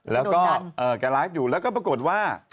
แล้วก็แกไลฟ์อยู่แล้วก็ปรากฏว่า